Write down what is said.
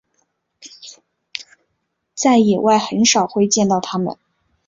在野外很少会见到它们。